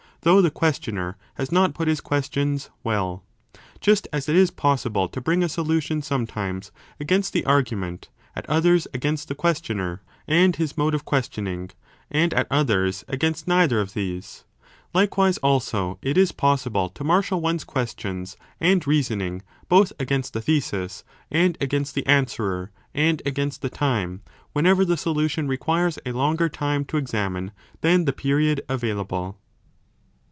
ima m for ntJrq (v. Pseudo Alexander). CHAPTER XXXIII i8 3 a against the argument, at others against the questioner and his mode of questioning, and at others against neither of these, likewise also it is possible to marshal one s questions and reasoning both against the thesis, and against the answerer and against the time, whenever the solution 25 requires a longer time to examine than the period available.